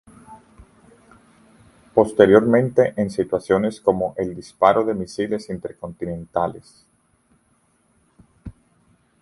Posteriormente en situaciones como el disparo de misiles intercontinentales.